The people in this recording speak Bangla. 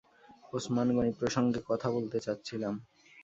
ওসমান গনি প্রসঙ্গে কথা বলতে চাচ্ছিলাম।